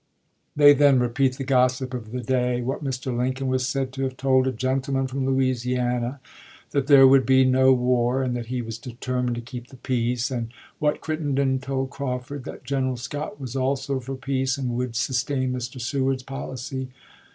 They then repeat the gossip of the day — what Mr. Lincoln was said to have told a gentleman from Louisiana, that " there would be no war and that he was determined to keep the peace"; and what Crittenden told Crawford, " that General Scott was also for peace and would sustain Mr. Seward's policy."